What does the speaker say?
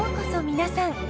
皆さん。